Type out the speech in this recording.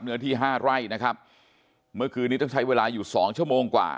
เนื้อที่ห้าไร่นะครับเมื่อคืนนี้ต้องใช้เวลาอยู่สองชั่วโมงกว่า